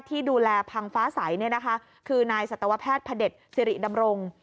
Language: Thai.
ที่ดูแลพังฟ้าใสคือนายสัตวแพทย์พระเด็จสิริดำรง